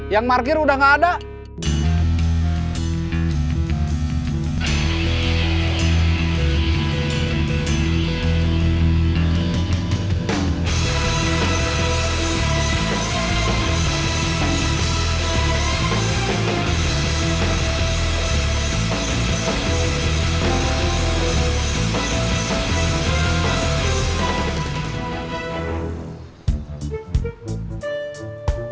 yang parkir udah gak ada